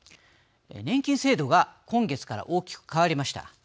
年金制度が今月から大きく変わりました。